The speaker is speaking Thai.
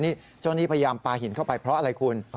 นี่เจ้านี่พยายามปลาหินเข้าไปเพราะอะไรคุณ